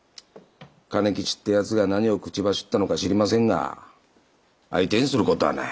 兼吉ってやつが何を口走ったのか知りませんが相手にするこたぁない。